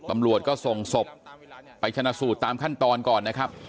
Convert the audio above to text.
ตำรวจก็ส่งศพไปชนะสูตรตามขั้นตอนก่อนนะครับ